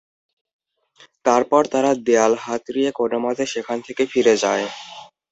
তারপর তারা দেয়াল হাতড়িয়ে কোন মতে সেখান থেকে ফিরে যায়।